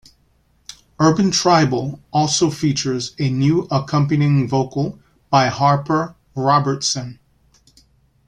"Urban Tribal" also features a new accompanying vocal by Harper Robertson.